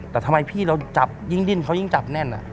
แต่ทำไมพี่เราจับยิ่งดิ้นเขายิ่งจับแน่น